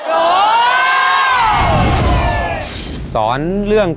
ถูกถูกถูกถูก